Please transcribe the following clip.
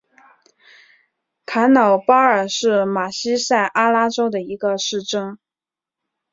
卡瑙巴尔是巴西塞阿拉州的一个市镇。